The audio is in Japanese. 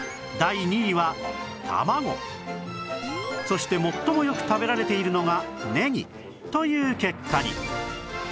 そして最もよく食べられているのがねぎという結果に